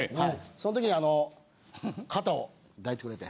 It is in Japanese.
そのときにあの肩を抱いてくれて。